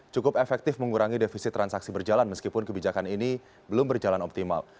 cukup efektif mengurangi defisit transaksi berjalan meskipun kebijakan ini belum berjalan optimal